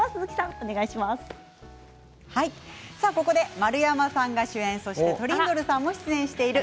ここで丸山さんが主演そしてトリンドルさんも出演している夜